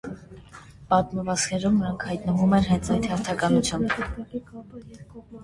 Պատմվածքներում նրանք հայտնվում են հենց այդ հերթականությամբ։